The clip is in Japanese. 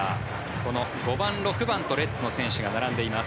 この５番、６番とレッズの選手が並んでいます。